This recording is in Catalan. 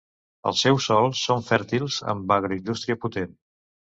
Els seus sòls són fèrtils amb agroindústria potent.